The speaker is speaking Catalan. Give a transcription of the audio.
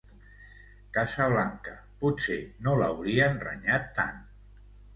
Casa Blanca, potser no l'haurien renyat tant.